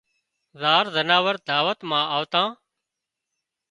زار زناور دعوت مان آوتان